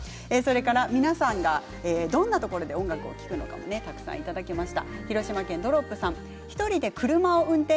皆さんがどんなところで音楽を聴くのかもたくさんいただきました。